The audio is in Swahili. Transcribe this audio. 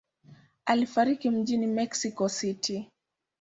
Alifariki mjini Mexico City.